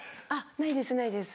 ないですないです。